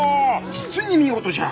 実に見事じゃ！